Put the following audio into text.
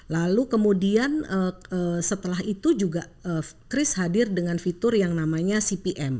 lalu kemudian setelah itu juga chris hadir dengan fitur yang namanya cpm